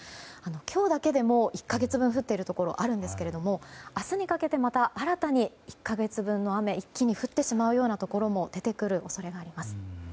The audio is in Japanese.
今日だけでも１か月分降っているところがあるんですが明日にかけてまた新たに１か月分の雨が一気に降ってしまうようなところも出てくる恐れあります。